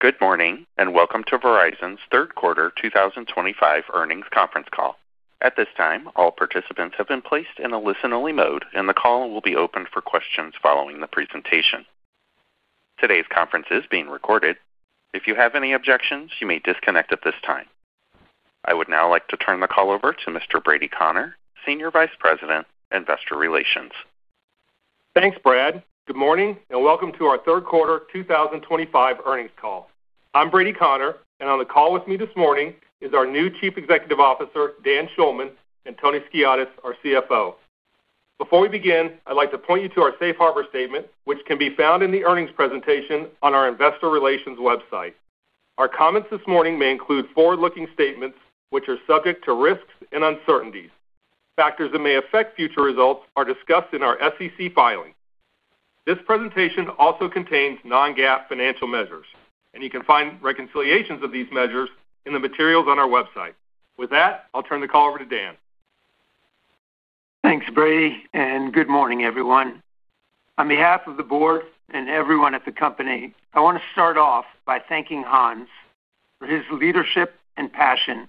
Good morning and welcome to Verizon's third quarter 2025 earnings conference call. At this time, all participants have been placed in a listen only mode, and the call will be open for questions following the presentation. Today's conference is being recorded. If you have any objections, you may disconnect at this time. I would now like to turn the call over to Mr. Brady Connor, Senior Vice President, Investor Relations. Thanks, Brady. Good morning and welcome to our third quarter 2025 earnings call. I'm Brady Connor and on the call with me this morning is our new Chief Executive Officer Dan Schulman and Tony Skiadas, our CFO. Before we begin, I'd like to point you to our Safe Harbor statement which can be found in the earnings presentation on our investor relations website. Our comments this morning may include forward-looking statements which are subject to risks and uncertainties. Factors that may affect future results are discussed in our SEC filings. This presentation also contains non-GAAP financial measures and you can find reconciliations of these measures in the materials on our website. With that, I'll turn the call over to Dan. Thanks Brady, and good morning everyone. On behalf of the Board and everyone at the company, I want to start off by thanking Hans for his leadership and passion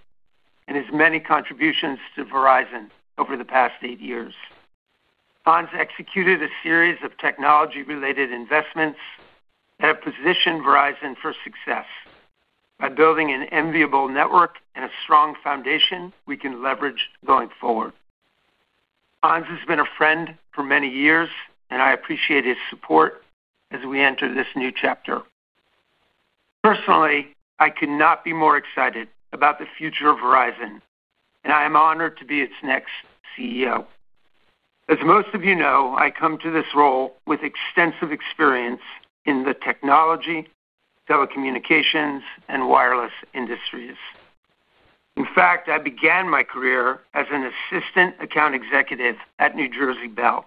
and his many contributions to Verizon over the past eight years. Hans executed a series of technology-related investments that have positioned Verizon for success by building an enviable network and a strong foundation we can leverage going forward. Hans has been a friend for many years, and I appreciate his support as we enter this new chapter. Personally, I could not be more excited about the future of Verizon, and I am honored to be its next CEO. As most of you know, I come to this role with extensive experience in the technology, telecommunications, and wireless industries. In fact, I began my career as an Assistant Account Executive at New Jersey Bell,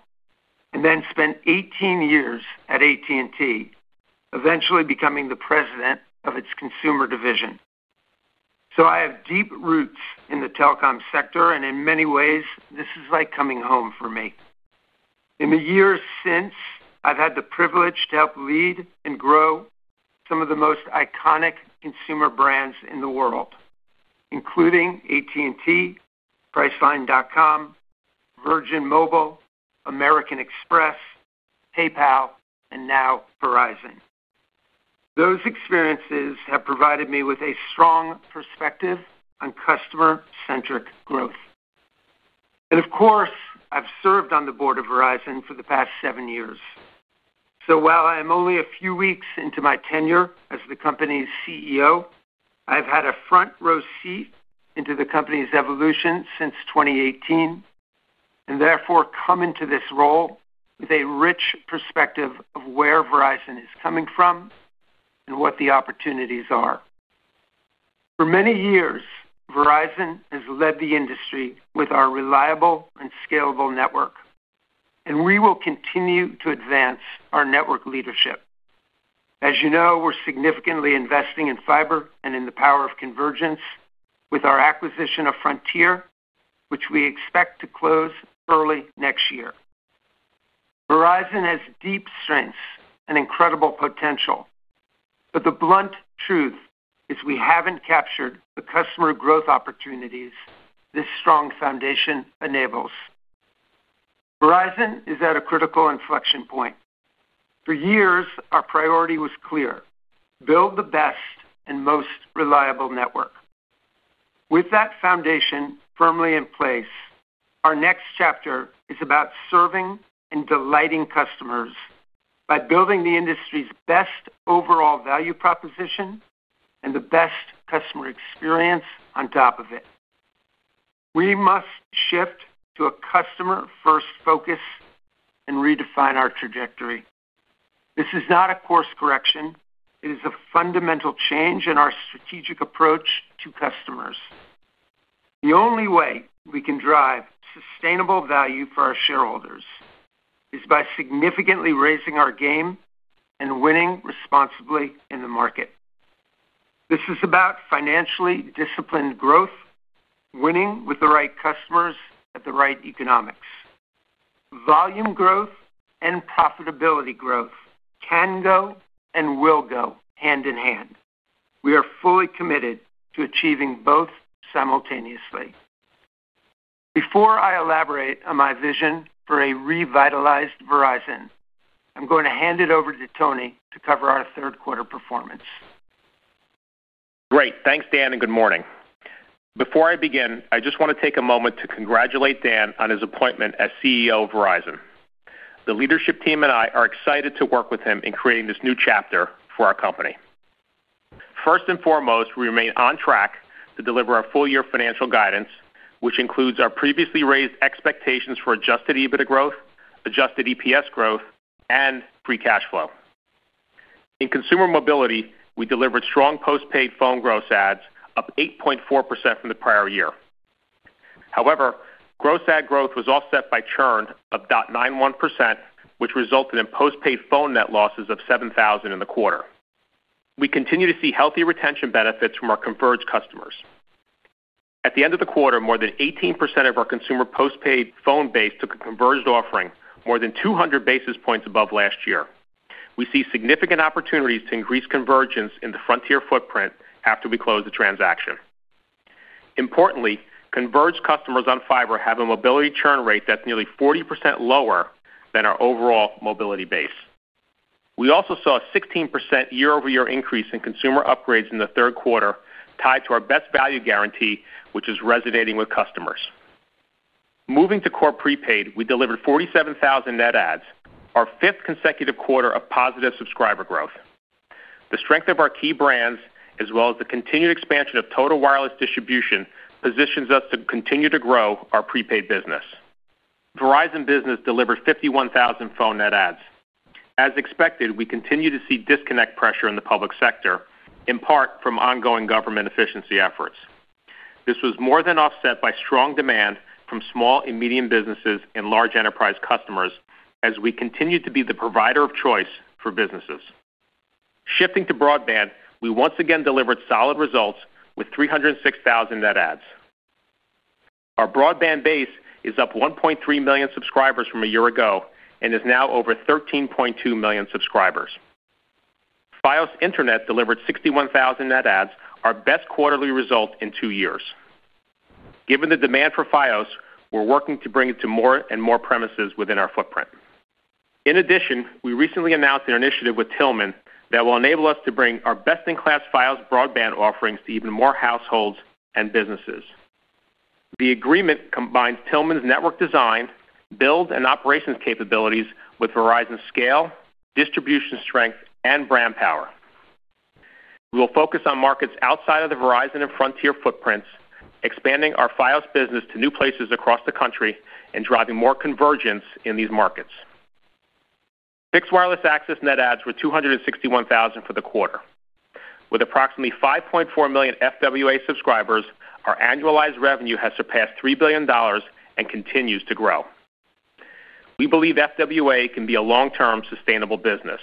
and then spent 18 years at AT&T, eventually becoming the President of its Consumer division. I have deep roots in the telecom sector, and in many ways, this is like coming home for me. In the years since, I've had the privilege to help lead and grow some of the most iconic consumer brands in the world, including AT&T, priceline.com, Virgin Mobile, American Express, PayPal, and now Verizon. Those experiences have provided me with a strong perspective on customer-centric growth. Of course, I've served on the Board of Verizon for the past seven years. While I am only a few weeks into my tenure as the company's CEO, I've had a front row seat into the company's evolution since 2018 and therefore come into this role with a rich perspective of where Verizon is coming from and what the opportunities are. For many years, Verizon has led the industry with our reliable and scalable network, and we will continue to advance our network leadership. As you know, we're significantly investing in fiber and in the power of convergence with our acquisition of Frontier, which we expect to close early next year. Verizon has deep strengths and incredible potential, but the blunt truth is we haven't captured the customer growth opportunities this strong foundation enables. Verizon is at a critical inflection point. For years, our priority was clear: build the best and most reliable network. With that foundation firmly in place, our next chapter is about serving and delighting customers by building the industry's best overall value proposition and the best customer experience on top of it. We must shift to a customer-first focus and redefine our trajectory. This is not a course correction. It is a fundamental change in our strategic approach to customers. The only way we can drive sustainable value for our shareholders is by significantly raising our game and winning responsibly in the market. This is about financially disciplined growth, winning with the right customers at the right economics. Volume growth and profitability growth can go and will go hand in hand. We are fully committed to achieving both simultaneously. Before I elaborate on my vision for a revitalized Verizon, I'm going to hand it over to Tony to cover our third quarter performance. Great. Thanks Dan, and good morning. Before I begin, I just want to take a moment to congratulate Dan on his appointment as CEO of Verizon. The leadership team and I are excited to work with him in creating this new chapter for our company. First and foremost, we remain on track to deliver our full year financial guidance, which includes our previously raised expectations for adjusted EBITDA growth, adjusted EPS growth, and Free Cash Flow. in consumer mobility, we delivered strong Postpaid Phone gross adds, up 8.4% from the prior year. However, gross add growth was offset by churn of 0.91%, which resulted in Postpaid Phone net losses of 7,000 in the quarter. We continue to see healthy retention benefits from our converged customers. At the end of the quarter, more than 18% of our consumer Postpaid Phone base took a converged offering, more than 200 basis points above last year. We see significant opportunities to increase convergence in the Frontier footprint after we close the transaction. Importantly, converged customers on fiber have a mobility churn rate that's nearly 40% lower than our overall mobility base. We also saw a 16% year-over-year increase in consumer upgrades in the third quarter tied to our Best Value Guarantee, which is resonating with customers. Moving to core Prepaid, we delivered 47,000 net adds, our fifth consecutive quarter of positive subscriber growth. The strength of our key brands as well as the continued expansion of Total Wireless distribution positions us to continue to grow our Prepaid business. Verizon Business delivered 51,000 phone net adds. As expected, we continue to see disconnect pressure in the public sector, in part from ongoing government efficiency efforts. This was more than offset by strong demand from small and medium businesses and large enterprise customers as we continue to be the provider of choice for businesses. Shifting to broadband, we once again delivered solid results with 306,000 net adds. Our broadband base is up 1.3 million subscribers from a year ago and is now over 13.2 million subscribers. Fios Internet delivered 61,000 net adds, our best quarterly result in two years. Given the demand for Fios, we are working to bring it to more and more premises within our footprint. In addition, we recently announced an initiative with Tillman that will enable us to bring our best in class Fios broadband offerings to even more households and businesses. The agreement combines Tillman's network design, build, and operations capabilities with Verizon's scale, distribution strength, and brand power. We will focus on markets outside of the Verizon and Frontier footprints, expanding our Fios business to new places across the country and driving more convergence in these markets. Fixed Wireless Access net adds were 261,000 for the quarter with approximately 5.4 million FWA subscribers. Our annualized revenue has surpassed $3 billion and continues to grow. We believe FWA can be a long-term sustainable business.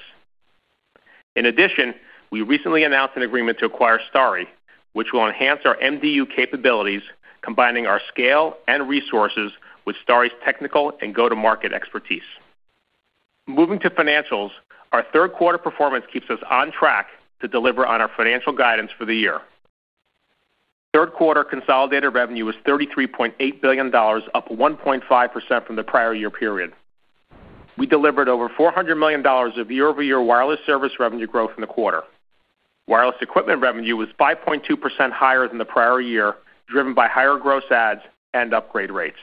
In addition, we recently announced an agreement to acquire Starry, which will enhance our MDU capabilities, combining our scale and resources with Starry's technical and go-to-market expertise. Moving to financials, our third quarter performance keeps us on track to deliver on our financial guidance for the year. Third quarter consolidated revenue was $33.8 billion, up 1.5% from the prior year period. We delivered over $400 million of year-over-year wireless service revenue growth in the quarter. Wireless equipment revenue was 5.2% higher than the prior year, driven by higher gross adds and upgrade rates.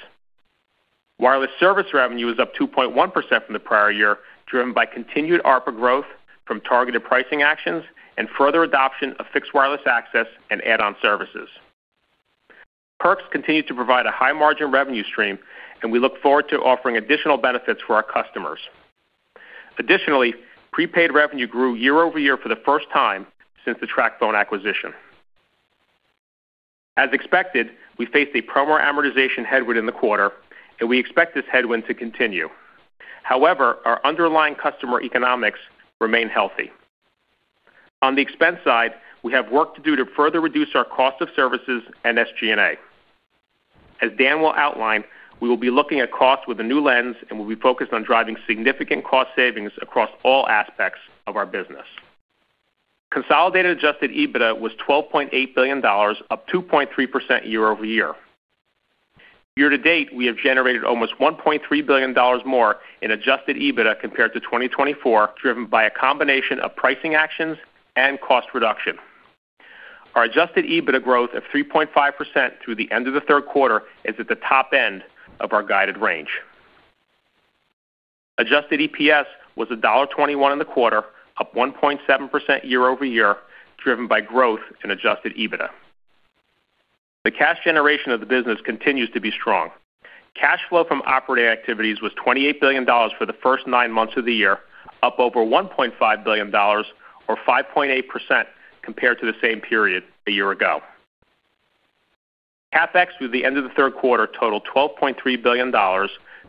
Wireless service revenue is up 2.1% from the prior year, driven by continued ARPA growth from targeted pricing actions and further adoption of fixed wireless access and add-on services. Perks continue to provide a high-margin revenue stream, and we look forward to offering additional benefits for our customers. Additionally, Prepaid revenue grew year-over-year for the first time since the TracFone acquisition. As expected, we faced a Promo Amortization headwind in the quarter, and we expect this headwind to continue. However, our underlying customer economics remain healthy. On the expense side, we have work to do to further reduce our cost of services and SG&A. As Dan will outline, we will be looking at costs with a new lens and will be focused on driving significant cost savings across all aspects of our business. Consolidated adjusted EBITDA was $12.8 billion, up 2.3% year-over-year. Year-to-date, we have generated almost $1.3 billion more in adjusted EBITDA compared to 2023, driven by a combination of pricing actions and cost reduction. Our adjusted EBITDA growth of 3.5% through the end of the third quarter is at the top end of our guided range. Adjusted EPS was $1.21 in the quarter, up 1.7% year-over-year, driven by growth in adjusted EBITDA. The cash generation of the business continues to be strong. Cash flow from operating activities was $28 billion for the first nine months of the year, up over $1.5 billion or 5.8% compared to the same period a year ago. CapEx through the end of the third quarter totaled $12.3 billion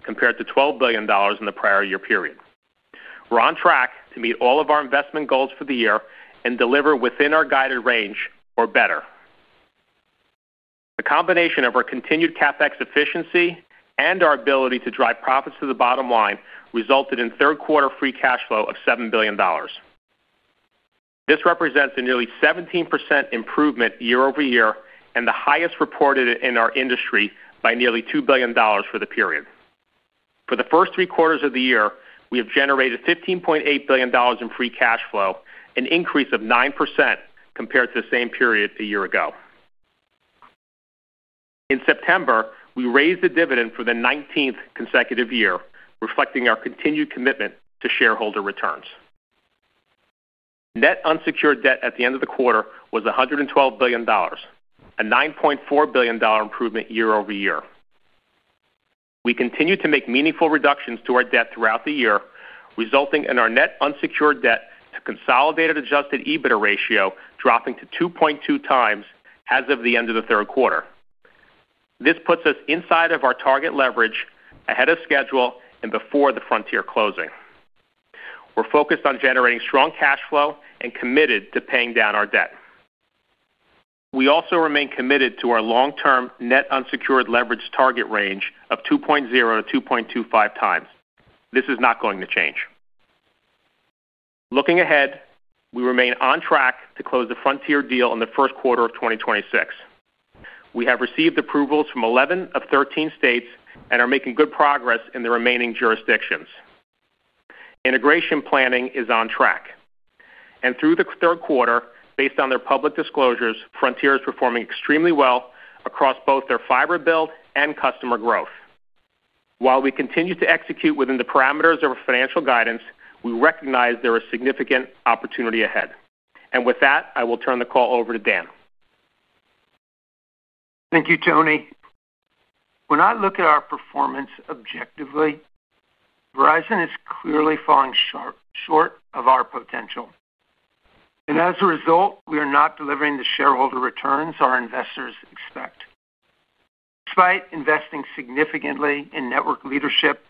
compared to $12 billion in the prior-year period. We're on track to meet all of our investment goals for the year and deliver within our guided range or better. The combination of our continued CapEx efficiency and our ability to drive profits to the bottom line resulted in third quarter Free Cash Flow of $7 billion. This represents a nearly 17% improvement year-over-year and the highest reported in our industry by nearly $2 billion for the period. For the first three quarters of the year we have generated $15.8 billion in Free Cash Flow, an increase of 9% compared to the same period a year ago. In September, we raised the dividend for the 19th consecutive year, reflecting our continued commitment to shareholder returns. Net Unsecured Debt at the end of the quarter was $112 billion, a $9.4 billion improvement year-over-year. We continue to make meaningful reductions to our debt throughout the year, resulting in our Net Unsecured Debt to consolidated adjusted EBITDA ratio dropping to 2.2x as of the end of the third quarter. This puts us inside of our target leverage ahead of schedule and before the Frontier closing. We're focused on generating strong cash flow and committed to paying down our debt. We also remain committed to our long term net unsecured leverage target range of 2.0x-2.25x. This is not going to change. Looking ahead, we remain on track to close the Frontier deal in the first quarter of 2026. We have received approvals from 11 of 13 states and are making good progress in the remaining jurisdictions. Integration planning is on track and through the third quarter, based on their public disclosures, Frontier is performing extremely well across both their fiber build and customer growth. While we continue to execute within the parameters of our financial guidance, we recognize there is significant opportunity ahead and with that I will turn the call over to Dan. Thank you, Tony. When I look at our performance objectively, Verizon is clearly falling short of our potential, and as a result, we are not delivering the shareholder returns our investors expect. Despite investing significantly in network leadership,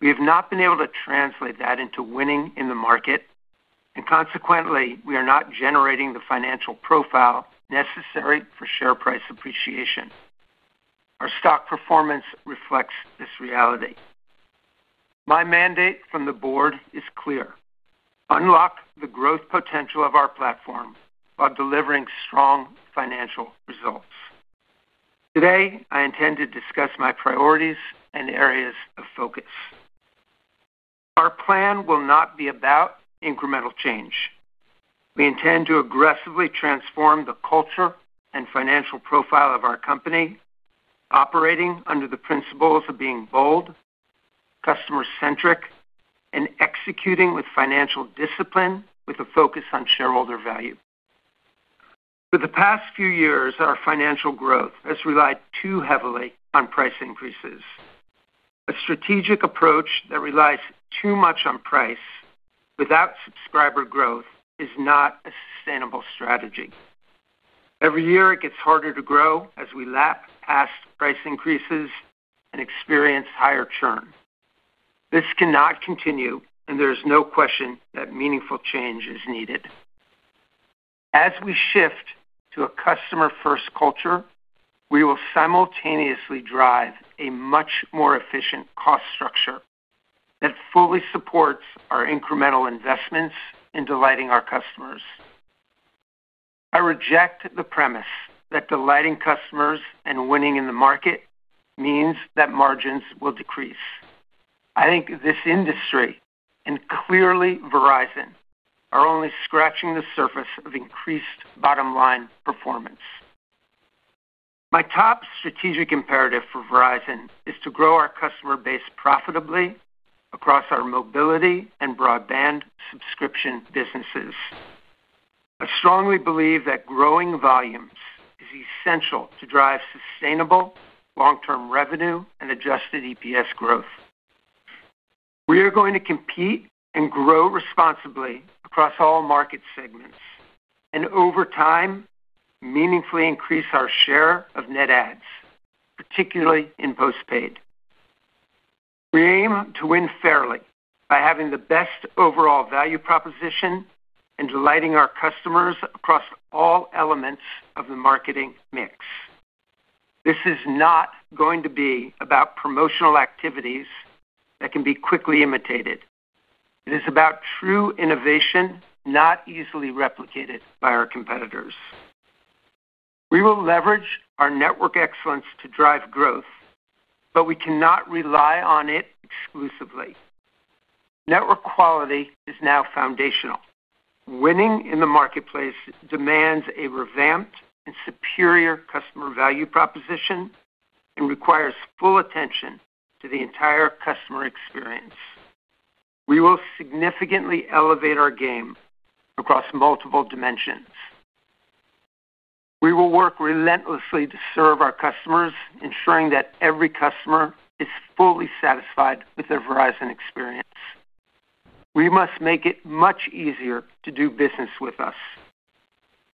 we have not been able to translate that into winning in the market, and consequently, we are not generating the financial profile necessary for share price appreciation. Our stock performance reflects this reality. My mandate from the Board is clear: unlock the growth potential of our platform while delivering strong financial results. Today, I intend to discuss my priorities and areas of focus. Our plan will not be about incremental change. We intend to aggressively transform the culture and financial profile of our company, operating under the principles of being bold, customer centric, and executing with financial discipline with a focus on shareholder value. For the past few years, our financial growth has relied too heavily on price increases. A strategic approach that relies too much on price without subscriber growth is not a sustainable strategy. Every year, it gets harder to grow as we lap past price increases and experience higher churn. This cannot continue, and there is no question that meaningful change is needed. As we shift to a customer first culture, we will simultaneously drive a much more efficient cost structure that fully supports our incremental investments in delighting our customers. I reject the premise that delighting customers and winning in the market means that margins will decrease. I think this industry, and clearly Verizon, are only scratching the surface of increased bottom line performance. My top strategic imperative for Verizon is to grow our customer base profitably across our mobility and broadband subscription businesses. I strongly believe that growing volumes is essential to drive sustainable long term revenue and adjusted EPS growth. We are going to compete and grow responsibly across all market segments and over time meaningfully increase our share of net adds, particularly in postpaid. We aim to win fairly by having the best overall value proposition and delighting our customers across all elements of the marketing mix. This is not going to be about promotional activities that can be quickly imitated. It is about true innovation not easily replicated by our competitors. We will leverage our network excellence to drive growth, but we cannot rely on it exclusively. Network quality is now foundational. Winning in the marketplace demands a revamped and superior customer value proposition and requires full attention to the entire customer experience. We will significantly elevate our game across multiple dimensions. We will work relentlessly to serve our customers, ensuring that every customer is fully satisfied with their Verizon experience. We must make it much easier to do business with us.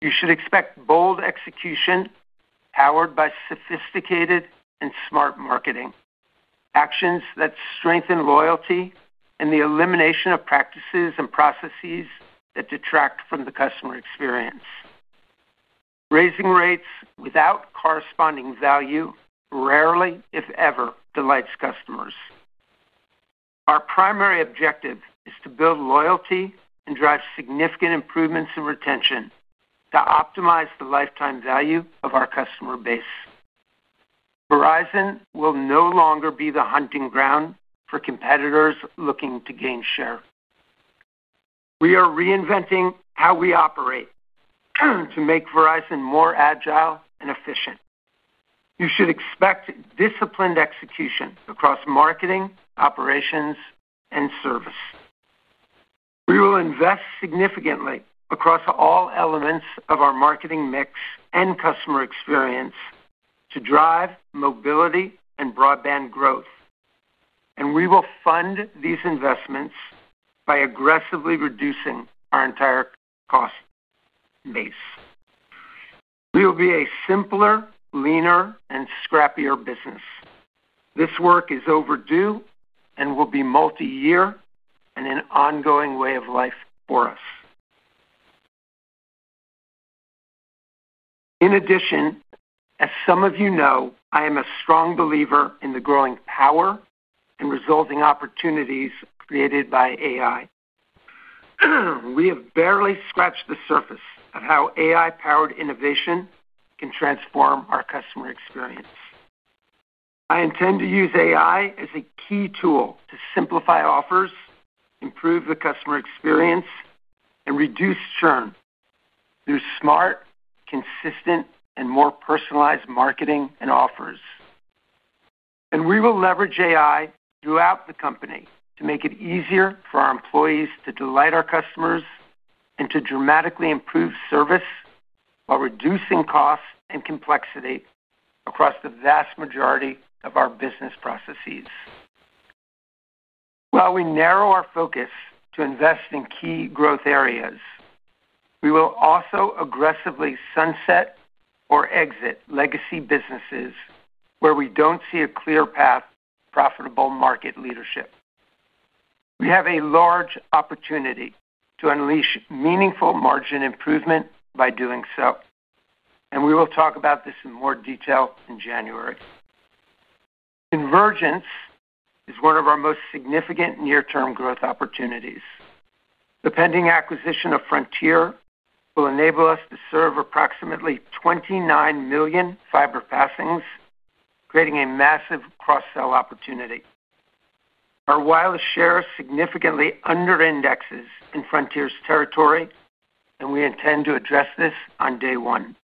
You should expect bold execution powered by sophisticated and smart marketing actions that strengthen loyalty and the elimination of practices and processes that detract from the customer experience. Raising rates without corresponding value rarely if ever delights customers. Our primary objective is to build loyalty and drive significant improvements in retention to optimize the lifetime value of our customer base. Verizon will no longer be the hunting ground for competitors looking to gain share. We are reinventing how we operate to make Verizon more agile and efficient. You should expect disciplined execution across marketing, operations, and service. We will invest significantly across all elements of our marketing mix and customer experience to drive mobility and broadband growth, and we will fund these investments by aggressively reducing our entire cost base. We will be a simpler, leaner, and scrappier business. This work is overdue and will be multi-year and an ongoing way of life for us. In addition, as some of you know, I am a strong believer in the growing power and resulting opportunities created by AI. We have barely scratched the surface of how AI-powered innovation can transform our customer experience. I intend to use AI as a key tool to simplify offers, improve the customer experience, and reduce churn through smart, consistent, and more personalized marketing and offers. We will leverage AI throughout the company to make it easier for our employees to delight our customers and to dramatically improve service while reducing cost and complexity across the vast majority of our business processes. While we narrow our focus to invest in key growth areas, we will also aggressively sunset or exit legacy businesses where we don't see a clear path to profitable market leadership. We have a large opportunity to unleash meaningful margin improvement by doing so, and we will talk about this in more detail in January. Convergence is one of our most significant near-term growth opportunities. The pending acquisition of Frontier will enable us to serve approximately 29 million fiber passings, creating a massive cross-sell opportunity. Our wireless share significantly under-indexes in Frontier's territory, and we intend to address this on day one.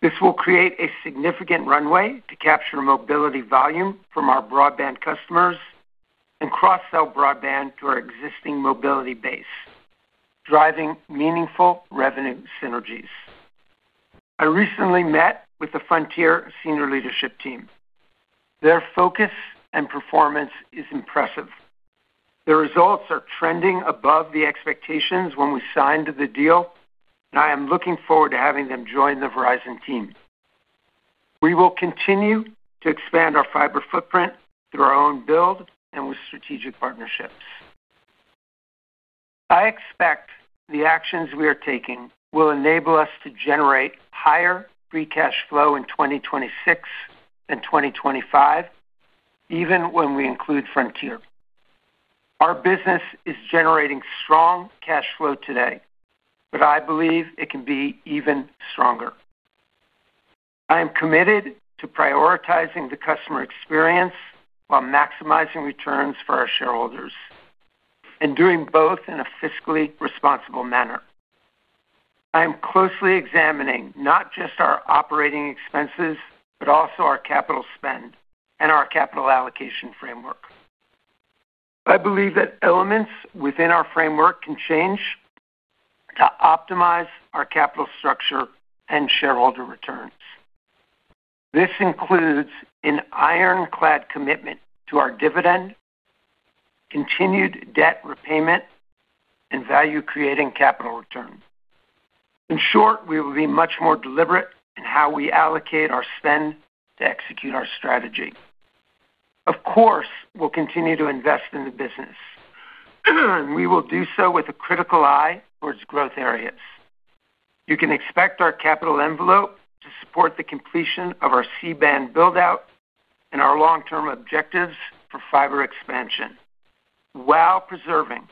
This will create a significant runway to capture mobility volume from our broadband customers and cross-sell broadband to our existing mobility base, driving meaningful revenue synergies. I recently met with the Frontier senior leadership team. Their focus and performance is impressive. The results are trending above the expectations when we signed the deal, and I am looking forward to having them join the Verizon team. We will continue to expand our fiber footprint through our own build and with strategic partnerships. I expect the actions we are taking will enable us to generate higher Free Cash Flow in 2026 than 2025, even when we include Frontier. Our business is generating strong cash flow today, but I believe it can be even stronger. I am committed to prioritizing the customer experience while maximizing returns for our shareholders and doing both in a fiscally responsible manner. I am closely examining not just our operating expenses but also our capital spend and our capital allocation framework. I believe that elements within our framework can change to optimize our capital structure and shareholder returns. This includes an ironclad commitment to our dividend, continued debt repayment, and value-creating capital return. In short, we will be much more deliberate in how we allocate our spend to execute our strategy. Of course, we'll continue to invest in the business. We will do so with a critical eye towards growth areas. You can expect our capital envelope to support the completion of our C band buildout and our long-term objectives for fiber expansion while preserving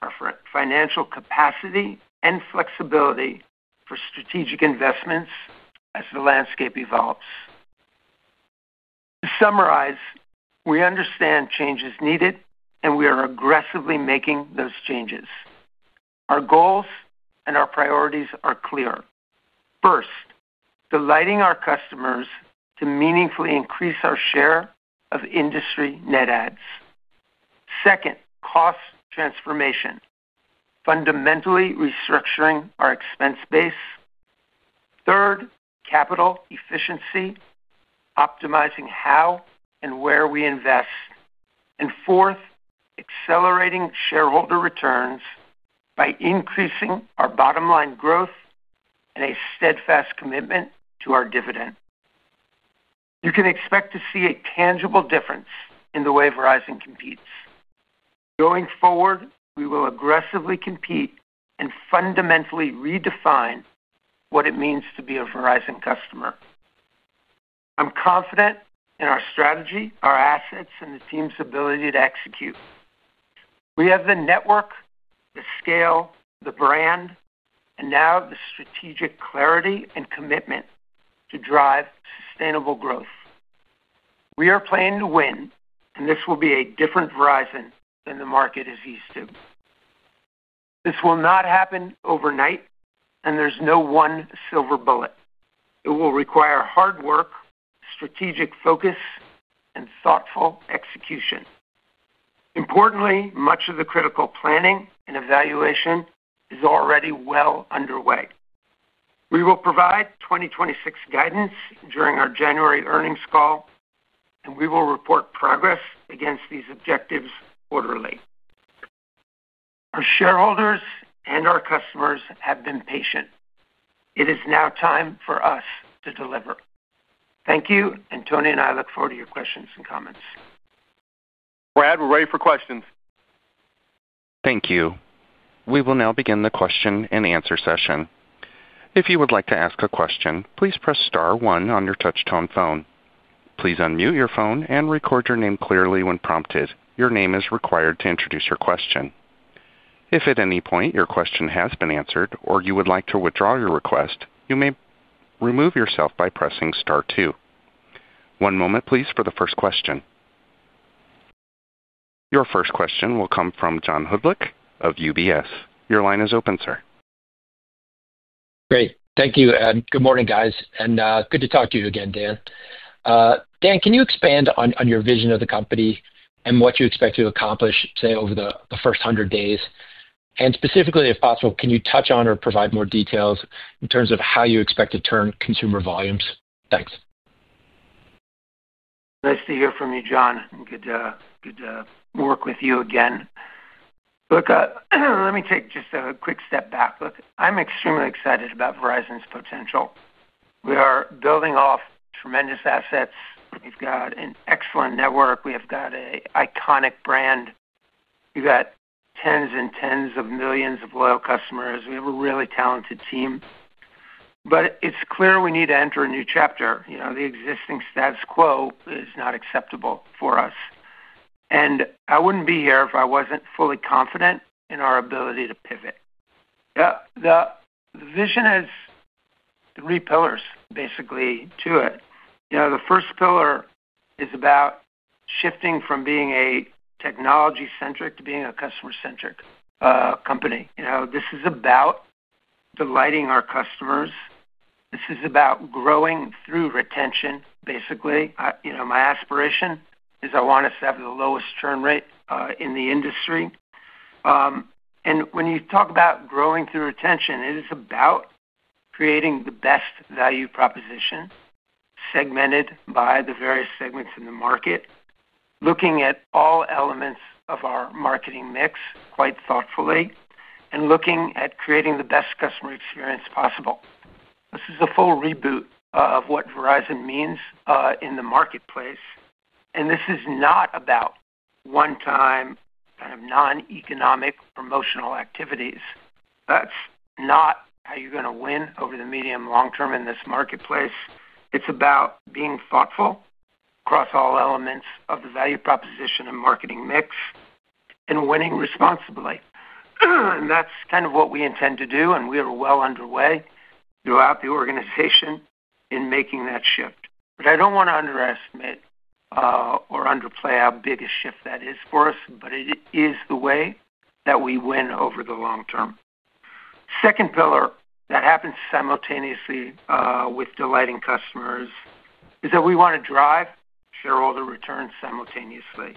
our financial capacity and flexibility for strategic investments as the landscape evolves. To summarize, we understand changes are needed, and we are aggressively making those changes. Our goals and our priorities are clear. First, delighting our customers to meaningfully increase our share of industry net adds. Second, cost transformation, fundamentally restructuring our expense base. Third, capital efficiency, optimizing how and where we invest, and fourth, accelerating shareholder returns by increasing our bottom line growth and a steadfast commitment to our dividend. You can expect to see a tangible difference in the way Verizon competes going forward. We will aggressively compete and fundamentally redefine what it means to be a Verizon customer. I'm confident in our strategy, our assets, and the team's ability to execute. We have the network, the scale, the brand, and now the strategic clarity and commitment to drive sustainable growth. We are planning to win and this will be a different Verizon than the market is used to. This will not happen overnight and there's no one silver bullet. It will require hard work, strategic focus, and thoughtful execution. Importantly, much of the critical planning and evaluation is already well underway. We will provide 2026 guidance during our January earnings call and we will report progress against these objectives quarterly. Our shareholders and our customers have been patient. It is now time for us to deliver. Thank you and Tony and I look forward to your questions and comments. Brad, we're ready for questions. Thank you. We will now begin the question-and-answer session. If you would like to ask a question, please press star one on your touch tone phone. Please unmute your phone and record your name clearly when prompted. Your name is required to introduce your question. If at any point your question has been answered or you would like to withdraw your request, you may remove yourself by pressing star two. One moment please for the first question. Your first question will come from John Hodulik of UBS. Your line is open, sir. Great. Thank you and good morning, guys. Good to talk to you again, Dan. Dan, can you expand on your vision? Of the company and what you expect. To accomplish, say, over the first hundred days? Specifically, if possible, can you touch on or provide more details in terms. How do you expect to turn consumer volumes? Thanks. Nice to hear from you, John. Good to work with you again. Let me take just a quick step back. I'm extremely excited about Verizon's potential. We are building off tremendous assets. We've got an excellent network, we have got an iconic brand, we've got tens and tens of millions of loyal customers. We have a really talented team. It's clear we need to enter a new chapter. The existing status quo is not acceptable for us. I wouldn't be here if I wasn't fully confident in our ability to pivot. The vision has three pillars basically to it. The first pillar is about shifting from being a technology centric to being a customer centric company. This is about delighting our customers. This is about growing through retention. Basically my aspiration is I want us to have the lowest churn rate in the industry. When you talk about growing through retention, it is about creating the best value proposition segmented by the various segments in the market, looking at all elements of our marketing mix quite thoughtfully and looking at creating the best customer experience possible. This is a full reboot of what Verizon means in the marketplace. This is not about one time kind of non economic promotional activities. That's not how you're going to win over the medium long term in this marketplace. It's about being thoughtful across all elements of the value proposition and marketing mix and winning responsibly. That's kind of what we intend to do. We are well underway throughout the organization in making that shift. I don't want to underestimate or underplay how big a shift that is for us. It is the way that we win over the long term. The second pillar that happens simultaneously with delighting customers is that we want to drive shareholder returns simultaneously.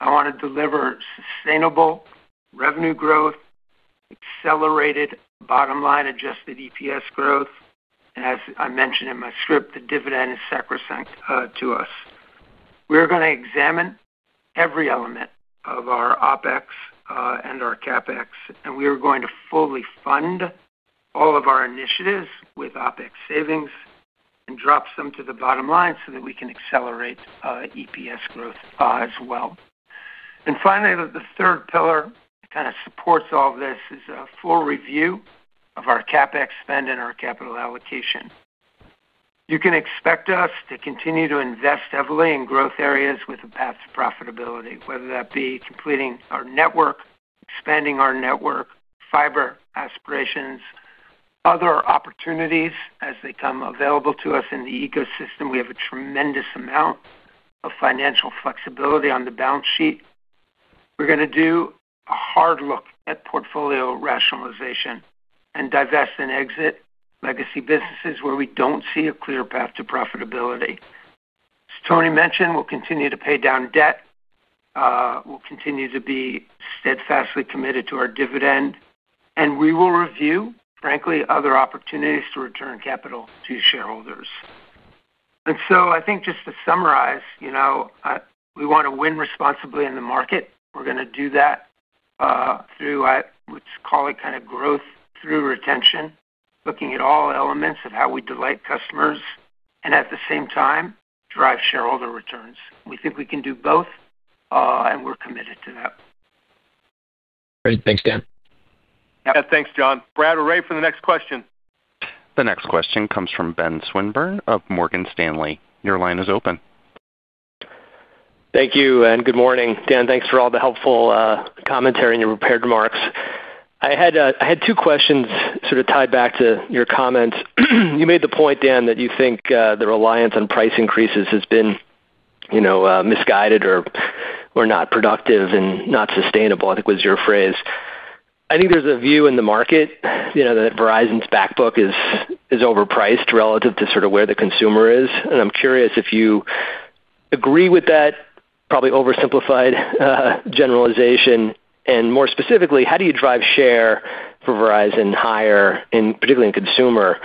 I want to deliver sustainable revenue growth, accelerated bottom line adjusted EPS growth and as I mentioned in my script, the dividend is sacrosanct to us. We're going to examine every element of our OpEx and our CapEx and we are going to fully fund all of our initiatives with OpEx savings and drop some to the bottom line so that we can accelerate EPS growth as well. Finally, the third pillar kind of supports all this, is a full review of our CapEx spend and our capital allocation. You can expect us to continue to invest heavily in growth areas with a path to profitability, whether that be completing our network, expanding our network fiber aspirations, other opportunities as they come available to us in the ecosystem. We have a tremendous amount of financial flexibility on the balance sheet. We're going to do a hard look at portfolio rationalization and divest and exit legacy businesses where we don't see a clear path to profitability. As Tony mentioned, we'll continue to pay down debt, we'll continue to be steadfastly committed to our dividend, and we will review, frankly, other opportunities to return capital to shareholders. I think just to summarize, we want to win responsibly in the market, we're going to do that through, let's call it kind of growth through retention, looking at all elements of how we delight customers and at the same time drive shareholder returns. We think we can do both and we're committed to that. Great. Thanks Dan. Thanks, John. Brad, we're ready for the next question. The next question comes from Ben Swinburne of Morgan Stanley. Your line is open. Thank you and good morning, Dan. Thanks for all the helpful commentary in your prepared remarks. I had two questions tied back to your comments. You made the point, Dan, that you think the reliance on price increases has been misguided or not productive and not sustainable, I think was your phrase. I think there's a view in the market that Verizon's back book is overpriced relative to where the consumer is, and I'm curious if you agree with that probably oversimplified generalization. More specifically, how do you drive share for Verizon higher, particularly in consumer,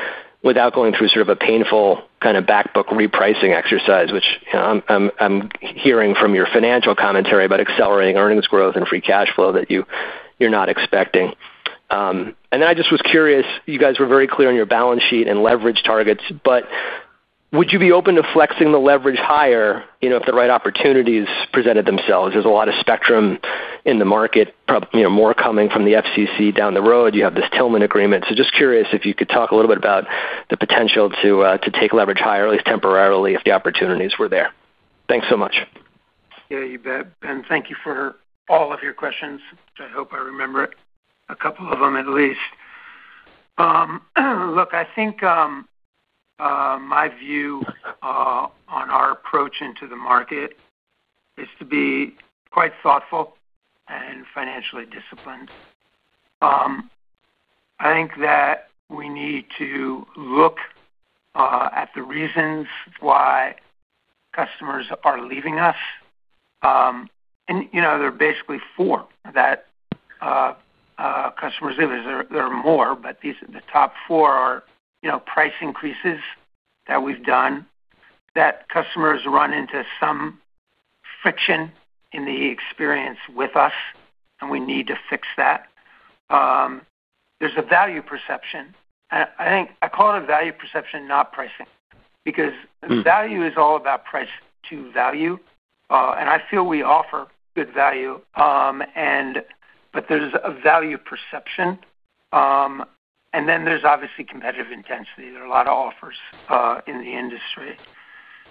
without going through a painful back book repricing exercise, which I'm hearing from your financial commentary about accelerating earnings growth and Free Cash Flow that you're not expecting. I was curious, you guys were very clear on your balance sheet and leverage targets, but would you be open to flexing the leverage higher if the right opportunities presented themselves? There's a lot of spectrum in the market, more coming from the FCC down the road. You have this Tillman agreement. Just curious if you could talk a little bit about the potential to take leverage higher, at least temporarily, if the opportunities were there. Thanks so much. Yeah, you bet. Thank you for all of your questions. I hope I remember a couple of them at least. Look, I think my view on our approach into the market is to be quite thoughtful and financially disciplined. I think that we need to look at the reasons why customers are leaving us. There are basically four that customers leave. There are more, but the top four are price increases that we've done. Customers run into some friction in the experience with us and we need to fix that. There's a value perception. I call it a value perception, not pricing, because value is all about price to value. I feel we offer good value, but there's a value perception and then there's obviously competitive intensity. There are a lot of offers in the industry.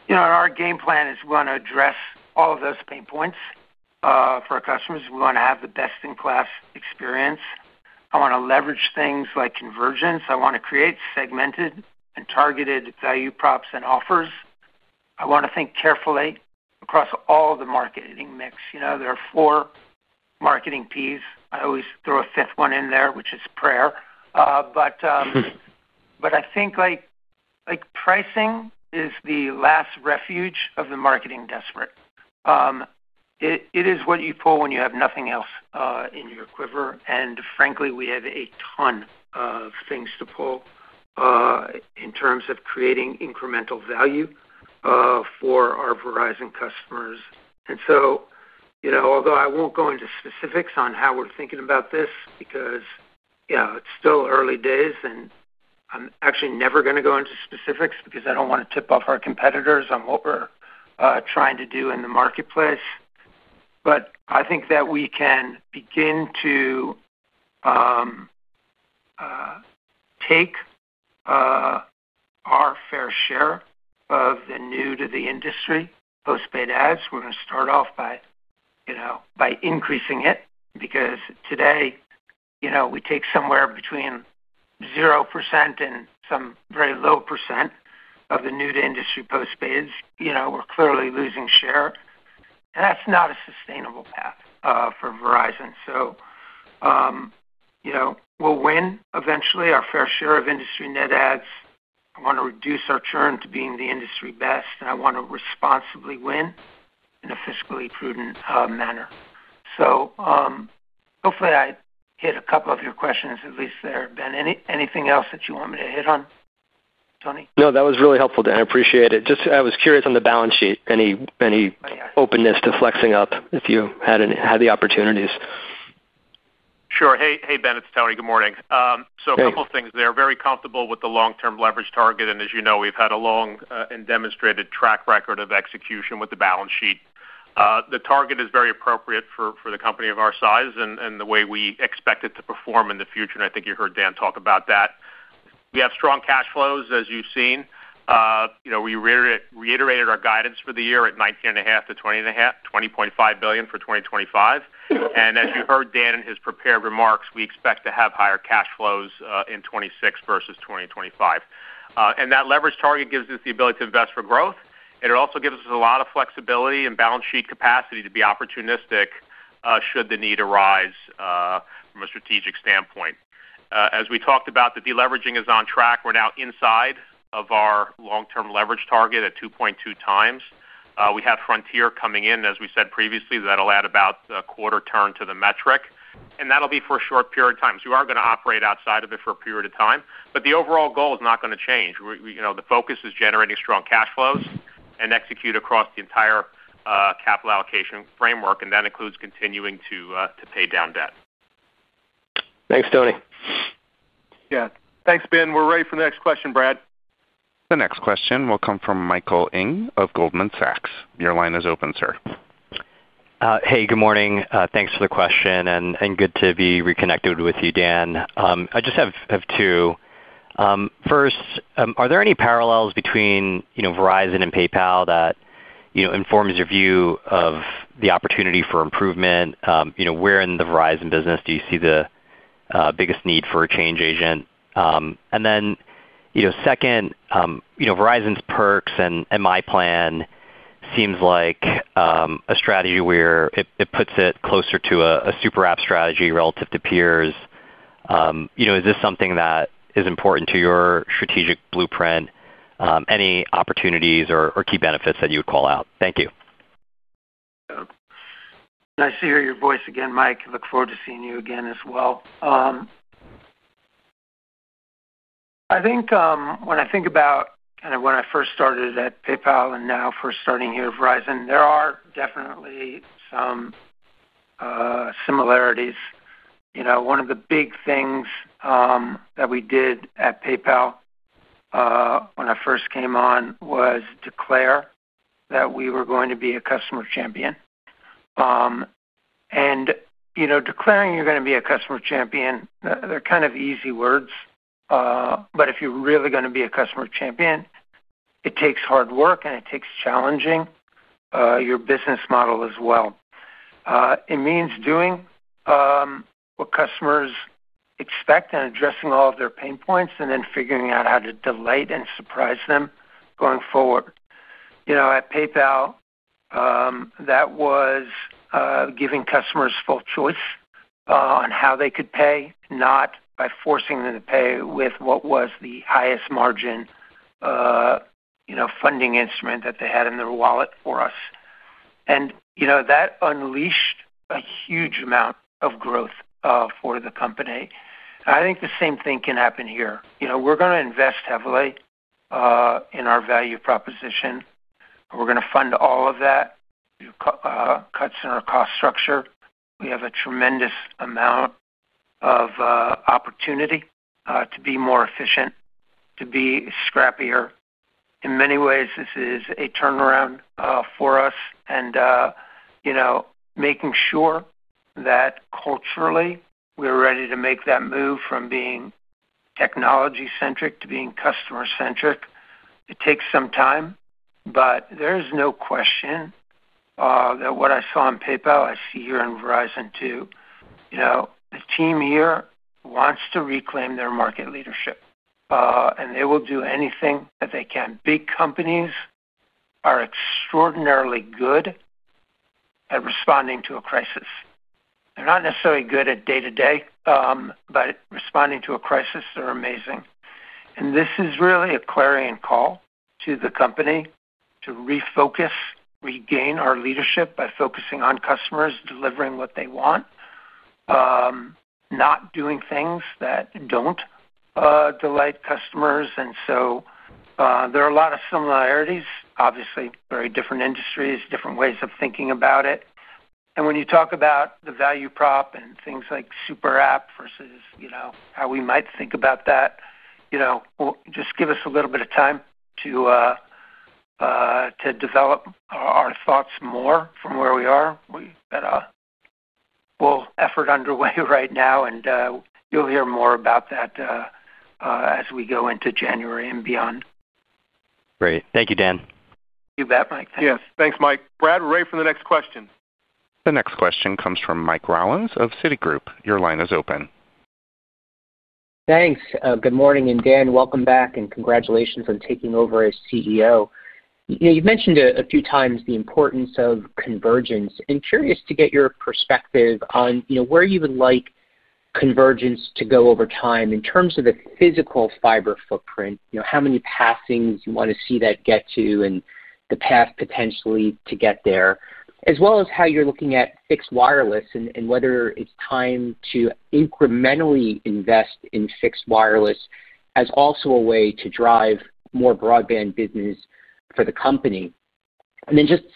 Our game plan is we want to address all of those pain points for our customers. We want to have the best-in-class experience. I want to leverage things like convergence. I want to create segmented and targeted value props and offers. I want to think carefully across all the marketing mix. There are four marketing Ps. I always throw a fifth one in there, which is prayer. I think pricing is the last refuge of the marketing desperate. It is what you pull when you have nothing else in your quiver. Frankly, we have a ton of things to pull in terms of creating incremental value for our Verizon customers. Although I won't go into specifics on how we're thinking about this because it's still early days and I'm actually never going to go into specifics because I don't want to tip off our competitors on what we're trying to do in the marketplace, I think that we can begin to take our fair share of the new to the industry postpaid ads. We're going to start off by increasing it because today we take somewhere between 0% and some very low % of the new to industry postpaids. We're clearly losing share and that's not a sustainable path for Verizon. We'll win eventually our fair share of industry net adds. I want to reduce our churn to being the industry best and I want to responsibly win in a fiscally prudent manner. Hopefully I hit a couple of your questions at least there, Ben. Anything else that you want me to hit on, Tony? No, that was really helpful, Dan. I appreciate it. I was curious on the balance sheet, any openness to flexing up if you had opportunities. Sure. Hey Ben, it's Tony. Good morning. A couple of things. They're very comfortable with the long term leverage target and as you know, we've had a long and demonstrated track record of execution with the balance sheet. The target is very appropriate for the company of our size and the way we expect it to perform in the future. I think you heard Dan talk about that. We have strong cash flows as you've seen. We reiterated our guidance for the year at $19.5 billion-$20.5 billion for 2025. As you heard Dan in his prepared remarks, we expect to have higher cash flows in 2026 versus 2025. That leverage target gives us the ability to invest for growth and it also gives us a lot of flexibility and balance sheet capacity to be opportunistic should the need arise from a strategic standpoint. As we talked about, the deleveraging is on track. We're now inside of our long term leverage target at 2.2x. We have Frontier coming in. As we said previously, that'll add about a quarter turn to the metric and that'll be for a short period of time. You are going to operate outside of it for a period of time. The overall goal is not going to change. The focus is generating strong cash flows and execute across the entire capital allocation framework and that includes continuing to pay down debt. Thanks, Tony. Thanks, Ben. We're ready for the next question, Brad. The next question will come from Michael Ng of Goldman Sachs. Your line is open, sir. Hey, good morning. Thanks for the question and good to be reconnected with you, Dan. I just have two. First, are there any parallels between Verizon and PayPal that informs your view of the opportunity for improvement? Where in the Verizon business do you see the biggest need for a change agent? Second, Verizon's Perks and myPlan seems like a strategy where it puts it closer to a super app strategy relative to peers. Is this something that is important to your strategic blueprint? Any opportunities or key benefits that you would call out? Thank you. Nice to hear your voice again, Mike. Look forward to seeing you again as well. I think when I think about when I first started at PayPal and now first starting here at Verizon, there are definitely some similarities. One of the big things that we did at PayPal when I first came on was declare that we were going to be a customer champion. Declaring you're going to be a customer champion, they're kind of easy words. If you're really going to be a customer champion, it takes hard work and it takes challenging your business model as well. It means doing what customers expect and addressing all of their pain points and then figuring out how to delight and surprise them going forward. At PayPal, that was giving customers full choice on how they could pay, not by forcing them to pay with what was the highest margin funding instrument that they had in their wallet for us. That unleashed a huge amount of growth for the company. I think the same thing can happen here. We're going to invest heavily in our value proposition. We're going to fund all of that cuts in our cost structure. We have a tremendous amount of opportunity to be more efficient, to be scrappier. In many ways, this is a turnaround for us and making sure that culturally we're ready to make that move from being technology centric to being customer centric. It takes some time, but there is no question that what I saw on PayPal I see here in Verizon, too, the team here wants to reclaim their market leadership, and they will do anything that they can. Big companies are extraordinarily good at responding to a crisis. They're not necessarily good at day to day, but responding to a crisis, they're amazing. This is really a clarion call to the company to refocus, regain our leadership by focusing on customers, delivering what they want, not doing things that don't delight customers. There are a lot of similarities, obviously, very different industries, different ways of thinking about it. When you talk about the value prop and things like super app versus how we might think about that, just give us a little bit of time to develop our thoughts more from where we are. We got a full effort underway right now, and you'll hear more about that as we go into January and beyond. Great. Thank you, Dan. You bet, Mike. Yes. Thanks, Mike. Brad, we're ready for the next question. The next question comes from Mike Rollins of Citigroup. Your line is open. Thanks. Good morning. Dan, welcome back and congratulations on taking over as CEO. You've mentioned a few times the importance of convergence and I'm curious to get your perspective on where you would like convergence to go over time in terms of the physical fiber footprint, how many passings you want to see that get to, and the path potentially to get there, as well as how you're looking at fixed wireless and whether it's time to incrementally invest in fixed wireless as also a way to drive more broadband business for the company.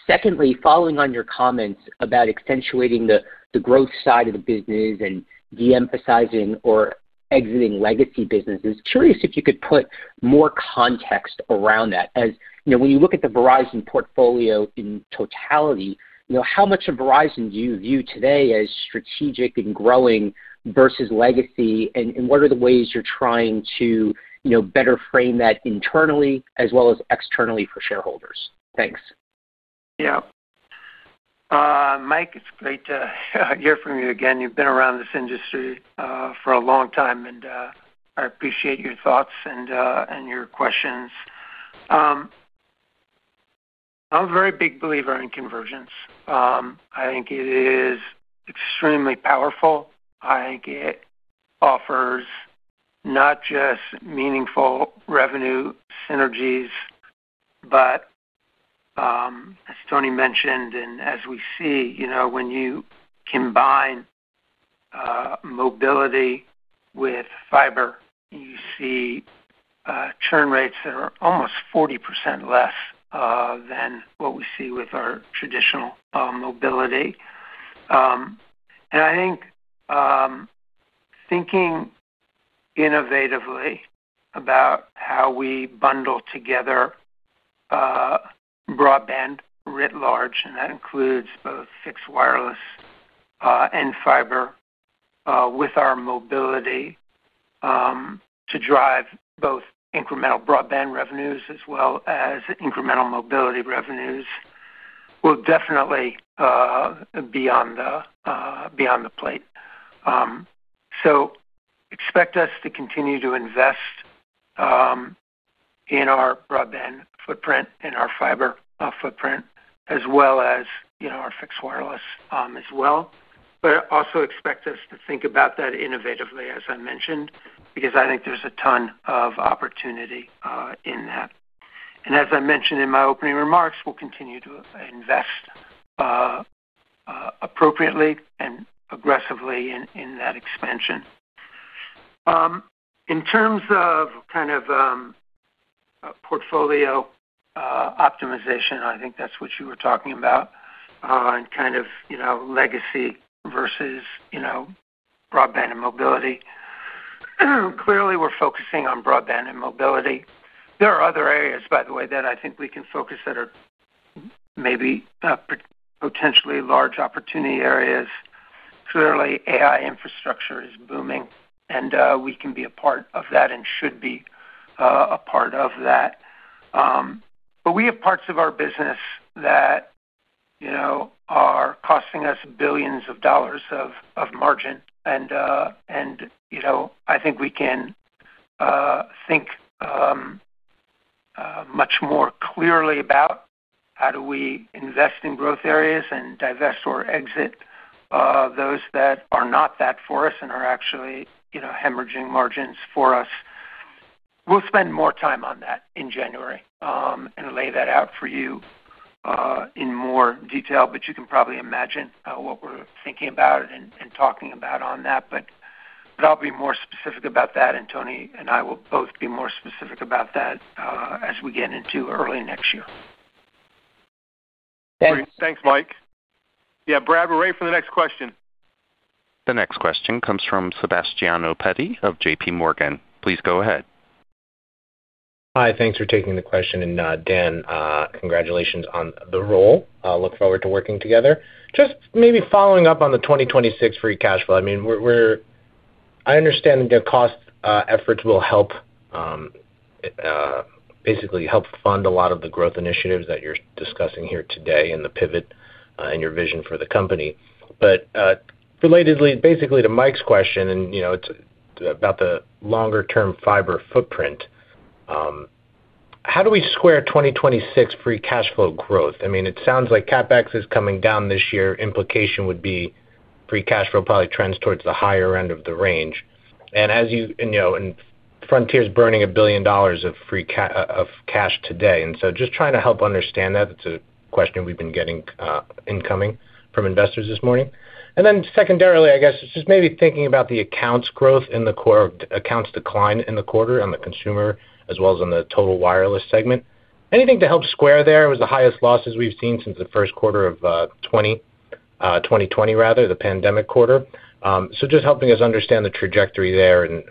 Secondly, following on your comments about accentuating the growth side of the business and deemphasizing or exiting legacy businesses, I'm curious if you could put more context around that. As you look at the Verizon portfolio in totality, how much of Verizon do you view today as strategic and growing versus legacy, and what are the ways you're trying to better frame that internally as well as externally for shareholders? Thanks. Yeah, Mike, it's great to hear from you again. You've been around this industry for a long time and I appreciate your thoughts and your questions. I'm a very big believer in convergence. I think it is extremely powerful. I think it offers not just meaningful revenue synergies, but as Tony mentioned and as we see when you combine mobility with fiber, you see churn rates that are almost 40% less than what we see with our traditional mobility. I think thinking innovatively about how we bundle together broadband writ large and that includes both fixed wireless and fiber with our mobility to drive both incremental broadband revenues as well as incremental mobility revenues will definitely be on the plate. Expect us to continue to invest in our broadband footprint, in our fiber footprint as well as our fixed wireless as well, but also expect us to think about that innovatively, as I mentioned, because I think there's a ton of opportunity in that. As I mentioned in my opening remarks, we'll continue to invest appropriately and aggressively in that expansion in terms of kind of portfolio optimization. I think that's what you were talking about and kind of, you know, legacy versus, you know, broadband and mobility. Clearly we're focusing on broadband and mobility. There are other areas, by the way, that I think we can focus that are maybe potentially large opportunity areas. Clearly AI infrastructure is booming and we can be a part of that and should be a part of that. We have parts of our business that are costing us billions of dollars of margin and I think we can think much more clearly about how do we invest in growth areas and divest or exit those that are not that for us and are actually hemorrhaging margins for us. We'll spend more time on that in January and lay that out for you in more detail. You can probably imagine what we're thinking about and talking about on that. I'll be more specific about that and Tony and I will both be more specific about that as we get into early next year. Thanks, Mike. Yeah, Brad, we're ready for the next question. The next question comes from Sebastiano Petti of JPMorgan. Please go ahead. Hi, thanks for taking the question. Dan, congratulations on the role. Look forward to working together. Just maybe following up on the 2026 Free Cash Flow. I mean I understand the cost efforts will help. Basically helped fund a lot of the growth initiatives that you're discussing here today and the pivot and your vision for the company. Relatedly, basically to Mike's question, it's about the longer term fiber footprint. How do we square 2026 Free Cash Flow growth? It sounds like CapEx is coming down this year. The implication would be Free Cash Flow probably trends towards the higher end of the range. Frontier is burning $1 billion of cash today. Just trying to help understand that, that's a question we've been getting incoming from investors this morning. Secondarily, I guess just maybe thinking about the accounts growth and the accounts decline in the quarter on the consumer as well as on the Total Wireless segment. Anything to help square there. It was the highest losses we've seen since the first quarter of 2020, rather the pandemic quarter. Just helping us understand the trajectory there and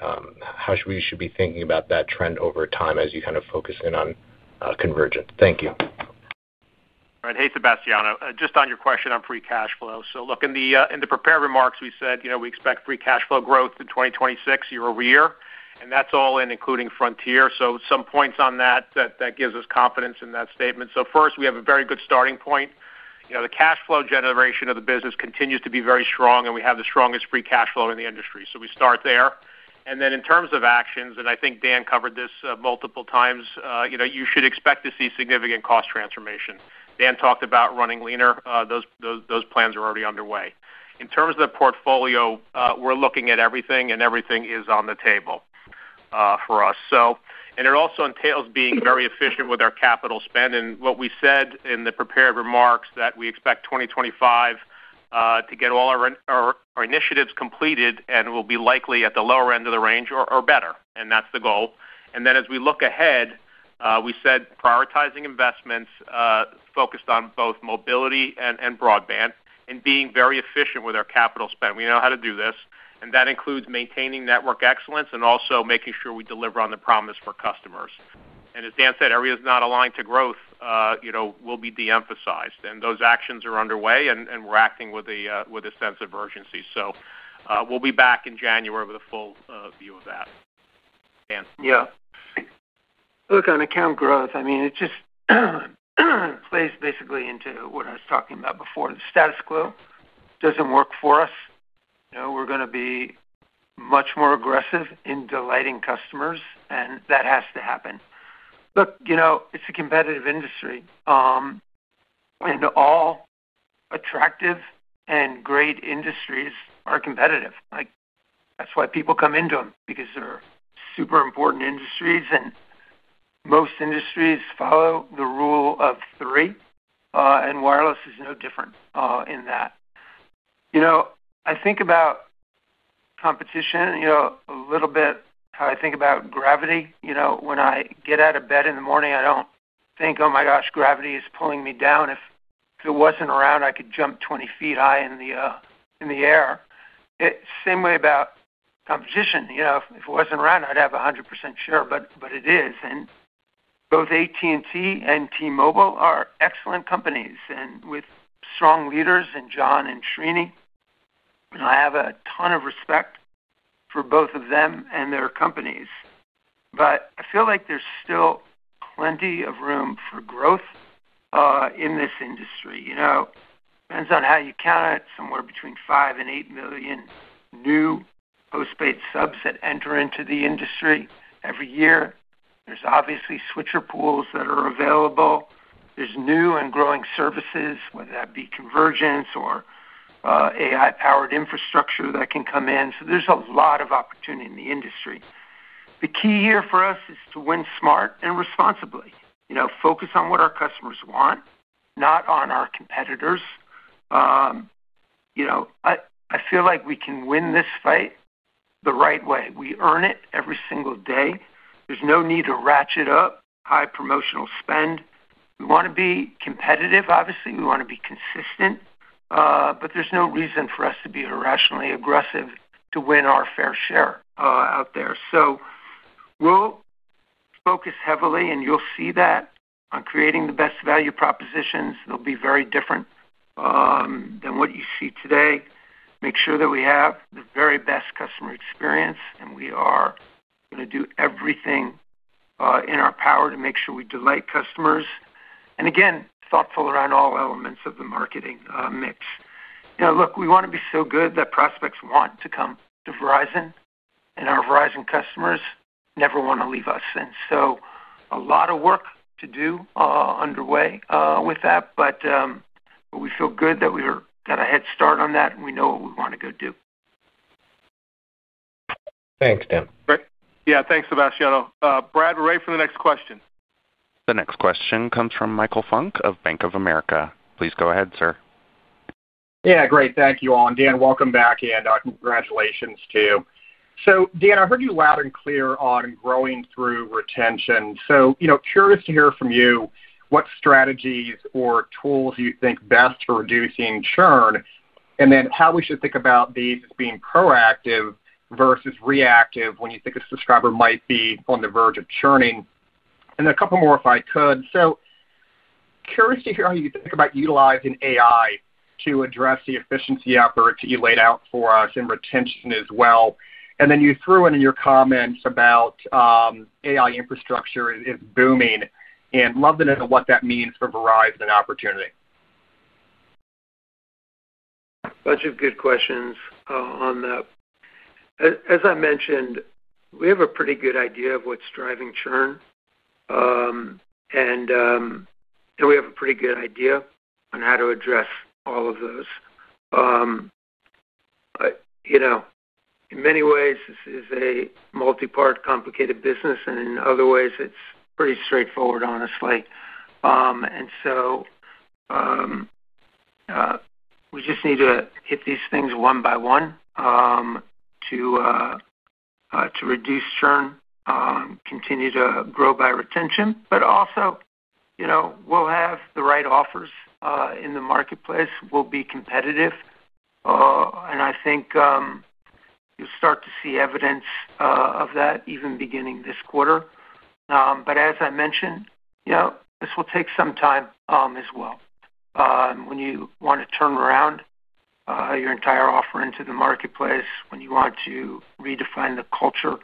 how we should be thinking about that trend over time as you kind of focus in on convergence. Thank you. Hey Sebastiano, just on your question on Free Cash Flow, in the prepared remarks we said we expect Free Cash Flow growth in 2026 year-over-year. That's all in including Frontier. Some points on that give us confidence in that statement. First, we have a very good starting point. The cash flow generation of the business continues to be very strong, and we have the strongest Free Cash Flow in the industry. We start there, and then in terms of actions, I think Dan covered this multiple times, you should expect to see significant cost transformation. Dan talked about running leaner. Those plans are already underway in terms of the portfolio. We're looking at everything, and everything is on the table for us. It also entails being very efficient with our capital spend. What we said in the prepared remarks is that we expect 2025 to get all our initiatives completed and will be likely at the lower end of the range or better. That's the goal. As we look ahead, we said prioritizing investments focused on both mobility and broadband and being very efficient with our capital spend. We know how to do this. That includes maintaining network excellence and also making sure we deliver on the promise for customers. As Dan said, areas not aligned to growth will be de-emphasized. Those actions are underway, and we're acting with a sense of urgency. We'll be back in January with a full view of that. Yeah, look, on account growth, I mean, it just plays basically into what I was talking about before. The status quo doesn't work for us. We're going to be much more aggressive in delighting customers and that has to happen. Look, it's a competitive industry and all attractive and great industries are competitive. That's why people come into them because they're super important industries and most industries follow the rule of three. Wireless is no different in that. I think about competition a little bit like how I think about gravity. When I get out of bed in the morning, I don't think, oh my gosh, gravity is pulling me down. If it wasn't around, I could jump 20 ft high in the air. I feel the same way about competition. If it wasn't around, I'd have 100% share. Both AT&T and T-Mobile are excellent companies with strong leaders in John and Srini. I have a ton of respect for both of them and their companies, but I feel like there's still plenty of room for growth in this industry. It depends on how you count it. Somewhere between 5 million and 8 million new postpaid subs enter into the industry every year. There are obviously switcher pools that are available, there are new and growing services, whether that be convergence or AI-powered infrastructure that can come in. There's a lot of opportunity in the industry. The key here for us is to win smart and responsibly, focus on what our customers want, not on our competitors. I feel like we can win this fight the right way. We earn it every single day. There's no need to ratchet up high promotional spend. We want to be competitive, obviously we want to be consistent, but there's no reason for us to be irrationally aggressive to win our fair share out there. We'll focus heavily and you'll see that on creating the best value propositions. They'll be very different than what you see today. Make sure that we have the very best customer experience and we are going to do everything in our power to make sure we delight customers and again, be thoughtful around all elements of the marketing mix. We want to be so good that prospects want to come to Verizon and our Verizon customers never want to leave us. A lot of work to do underway with that. We feel good that we got a head start on that and we know what we want to go do. Thanks, Dan. Yeah, thanks, Sebastiano. Brad, we're ready for the next question. The next question comes from Michael Funk of Bank of America. Please go ahead, sir. Yeah, great. Thank you all. Dan, welcome back and congratulations to you. Dan, I heard you loud and clear on growing through retention. Curious to hear from you. What strategies or tools do you think best for reducing churn? How we should think about. These as being proactive versus reactive when you think a subscriber might be on the verge of churning. A couple more if I could. Curious to hear how you think. About utilizing AI to address the efficiency efforts that you laid out for us in retention as well. You threw in your comments. AI infrastructure is booming, and love to know what that means for Verizon and opportunity. Bunch of good questions on that. As I mentioned, we have a pretty good idea of what's driving churn, and we have a pretty good idea on how to address all of those. In many ways this is a multi-part complicated business, and in other ways it's pretty straightforward, honestly. We just need to hit these things one by one to reduce churn, continue to grow by retention. Also, we'll have the right offers in the marketplace, we'll be competitive. I think you start to see evidence of that even beginning this quarter. As I mentioned, this will take some time as well when you want to turn around your entire offer into the marketplace. When you want to redefine the culture and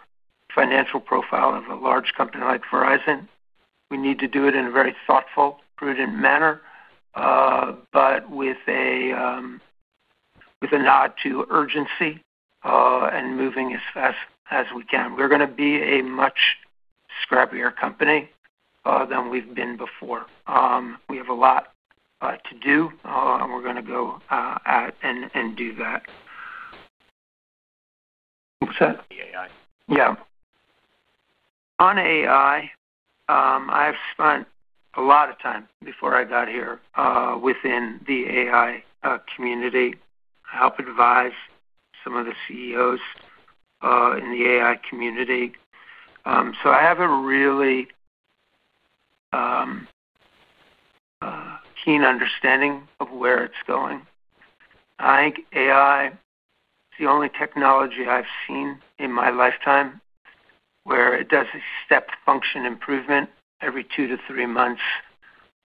financial profile of a large company like Verizon, we need to do it in a very thoughtful, prudent manner, but with a nod to urgency and moving as fast as we can. We're going to be a much scrappier company than we've been before. We have a lot to do and we're going to go out and do that. On AI, I've spent a lot of time before I got here within the AI community, helped advise some of the CEOs in the AI community. I have a really keen understanding of where it's going. I think AI is the only technology I've seen in my lifetime where it does a step function improvement every two to three months.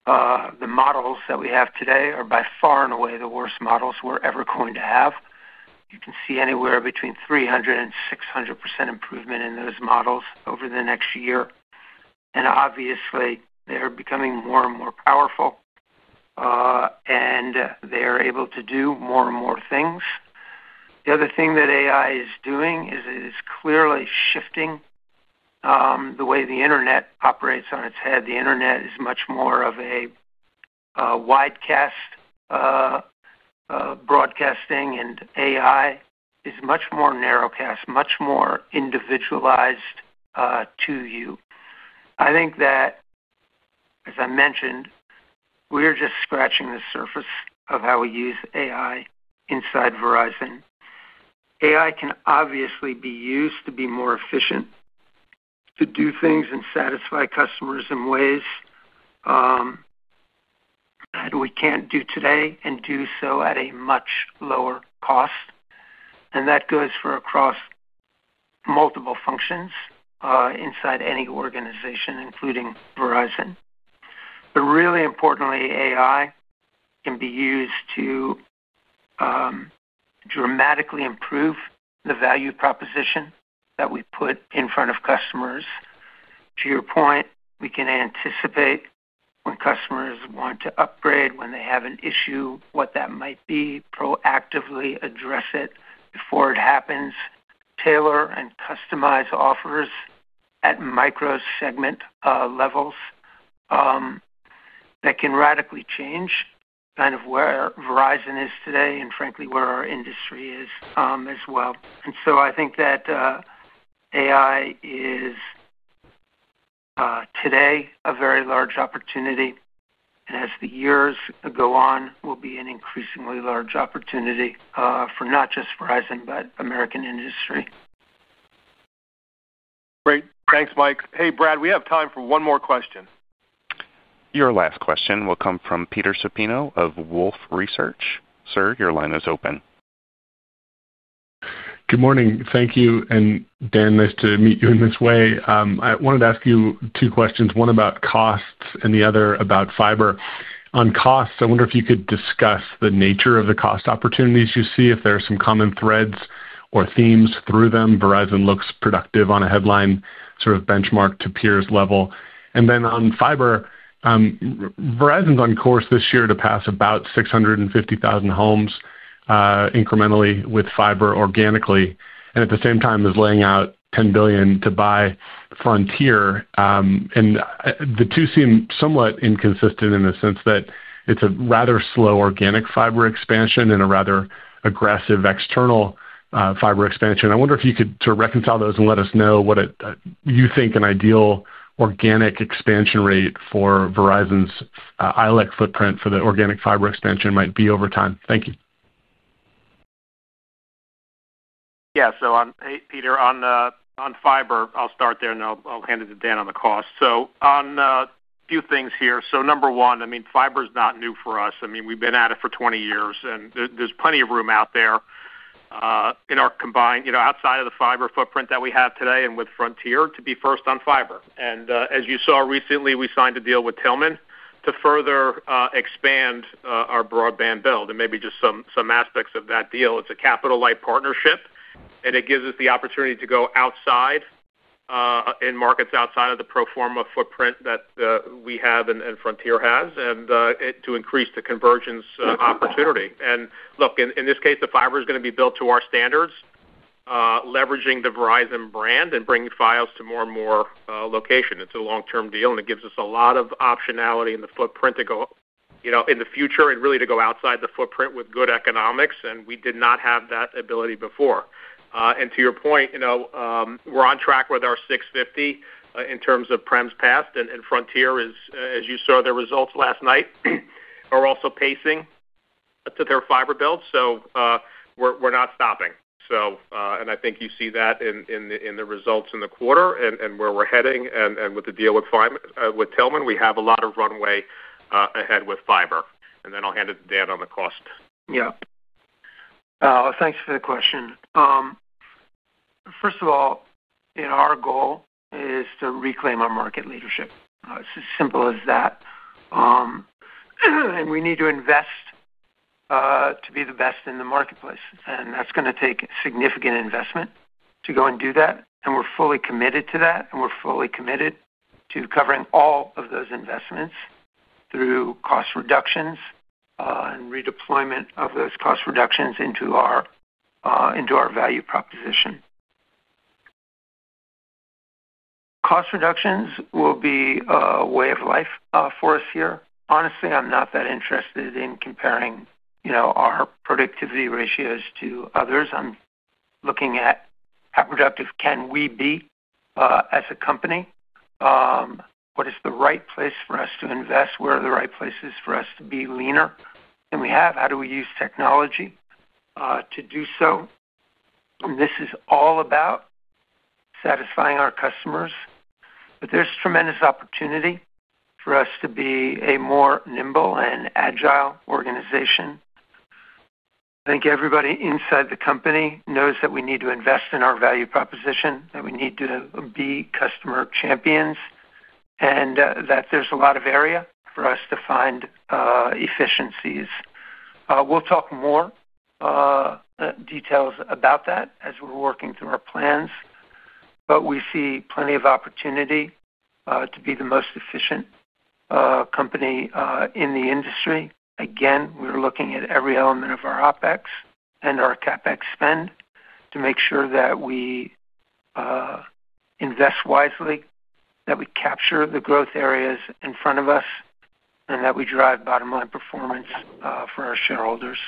The models that we have today are by far and away the worst models we're ever going to have. You can see anywhere between 300% and 600% improvement in those models over the next year. Obviously, they are becoming more and more powerful and they are able to do more and more things. The other thing that AI is doing is it is clearly shifting the way the Internet operates on its head. The Internet is much more of a widecast broadcasting and AI is much more narrowcast, much more individualized to you. I think that as I mentioned, we are just scratching the surface of how we use AI inside Verizon. AI can obviously be used to be more efficient, to do things and satisfy customers in ways that we can't do today and do so at a much lower cost. That goes for across multiple functions inside any organization, including Verizon. Really importantly, AI can be used to dramatically improve the value proposition that we put in front of customers. To your point, we can anticipate when customers want to upgrade, when they have an issue, what that might be, proactively address it before it happens, tailor and customize offers at micro segment levels. That can radically change kind of where Verizon is today and frankly where our industry is as well. I think that AI is today a very large opportunity and as the years go on will be an increasingly large opportunity for not just Verizon, but American industry. Great. Thanks, Mike. Hey, Brad, we have time for one more question. Your last question will come from Peter Supino of Wolfe Research. Sir, your line is open. Good morning. Thank you. Dan, nice to meet you in this way. I wanted to ask you two questions, one about costs and the other about fiber. On costs, I wonder if you could discuss the nature of the cost opportunities. You see if there are some costs, common threads or themes through them, Verizon looks productive on a headline sort of benchmark to peers level. On fiber, Verizon is on course this year to pass about 650,000 homes incrementally with fiber organically and at the same time is laying out $10 billion to buy Frontier. The two seem somewhat inconsistent in the sense that it's a rather slow organic fiber expansion and a rather aggressive external fiber expansion. I wonder if you could reconcile those and let us know what you think an ideal organic expansion rate for Verizon's ILEC footprint for the organic fiber expansion might be over time. Thank you. Yeah. Peter, on fiber, I'll start there and I'll hand it to Dan on the cost. On a few things here. Number one, fiber is not new for us. We've been at it for 20 years and there's plenty of room out there in our combined, you know, outside of the fiber footprint that we have today and with Frontier to be first on fiber. As you saw recently, we signed a deal with Tillman to further expand our broadband build and maybe just some aspects of that deal. It's a capital light partnership and it gives us the opportunity to go outside, outside of the pro forma footprint that we have and Frontier has and to increase the convergence opportunity. In this case the fiber is going to be built to our standards, leveraging the Verizon brand and bringing Fios to more and more locations. It's a long term deal and it gives us a lot of optionality in the footprint to go, you know, in the future and really to go outside the footprint with good economics. We did not have that ability before. To your point, we're on track with our 650,000 in terms of prems passed and Frontier, as you saw their results last night, are also pacing to their fiber build. We're not stopping. I think you see that in the results in the quarter and where we're heading and with the deal with Tillman, we have a lot of runway ahead with fiber. I'll hand it to Dan on the call. Yeah, thanks for the question. First of all, our goal is to reclaim our market leadership. It's as simple as that. We need to invest to be the best in the marketplace. That's going to take significant investment to go and do that. We're fully committed to that. We're fully committed to covering all of those investments through cost reductions and redeployment of those cost reductions into our value proposition. Cost reductions will be a way of life for us here. Honestly, I'm not that interested in comparing our productivity ratios to others. I'm looking at how productive can we be as a company. What is the right place for us to invest? Where are the right places for us to be leaner than we have? How do we use technology to do so? This is all about satisfying our customers. There is tremendous opportunity for us to be a more nimble and agile organization. I think everybody inside the company knows that we need to invest in our value proposition, that we need to be customer champions and that there's a lot of area for us to find efficiencies. We'll talk more details about that as we're working through our plans. We see plenty of opportunity to be the most efficient company in the industry. We're looking at every element of our OpEx and our CapEx spend to make sure that we invest wisely, that we capture the growth areas in front of us and that we drive bottom line performance for our shareholders.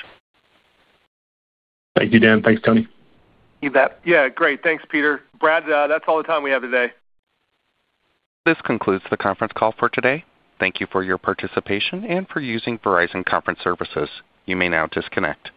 Thank you, Dan. Thanks, Tony. You bet. Yeah. Great. Thanks, Peter. Brad, that's all the time we have today. This concludes the conference call for today. Thank you for your participation and for using Verizon Conference Services. You may now disconnect.